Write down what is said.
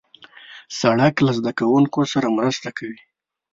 سړک له زدهکوونکو سره مرسته کوي.